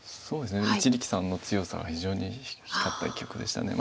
そうですね一力さんの強さが非常に光った一局でした。